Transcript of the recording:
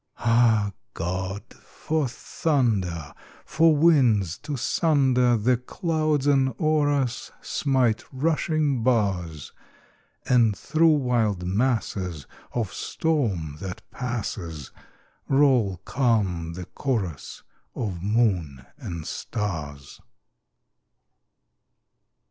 Ah, God! for thunder! for winds to sunder The clouds and o'er us smite rushing bars! And through wild masses of storm, that passes, Roll calm the chorus of moon and stars.